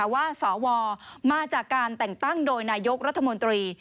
สวมาจากการแต่งตั้งโดยนายกรัฐมนตรี